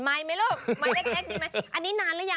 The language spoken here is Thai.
น้ำตาตกโคให้มีโชคเมียรสิเราเคยคบกันเหอะน้ำตาตกโคให้มีโชค